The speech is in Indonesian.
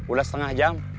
udah setengah jam